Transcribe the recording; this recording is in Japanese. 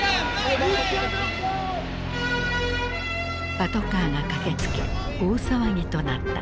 パトカーが駆けつけ大騒ぎとなった。